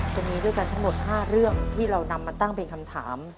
จะมีด้วยกันทั้งหมด๕เรื่องที่เรานำมาตั้งเป็นคำถาม